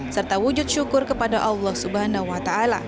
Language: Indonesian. serta wujud syukur kepada allah swt